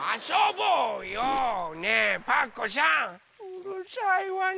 うるさいわね